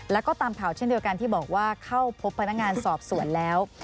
แล้วก็ตามข่าวเช่นเดียวกันที่บอกว่าเข้าพบพนักงานสอบสวนแล้ว